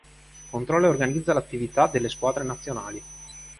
Controlla e organizza l'attività delle squadre nazionali.